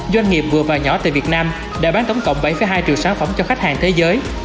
doanh nghiệp vừa và nhỏ tại việt nam đã bán tổng cộng bảy hai triệu sản phẩm cho khách hàng thế giới